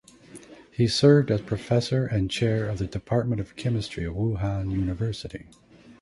He served as professor and Chair of the Department of Chemistry of Wuhan University.